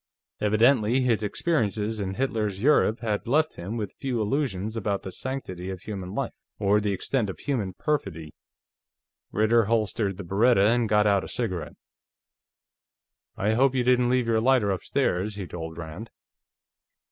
Evidently his experiences in Hitler's Europe had left him with few illusions about the sanctity of human life or the extent of human perfidy. Ritter holstered the Beretta and got out a cigarette. "I hope you didn't leave your lighter upstairs," he told Rand.